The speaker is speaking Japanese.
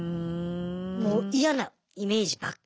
もう嫌なイメージばっかり。